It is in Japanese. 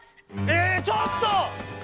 ええちょっと！